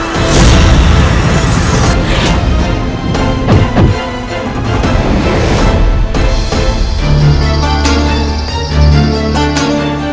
tidak sengaja menggunakan terus berjalan gusti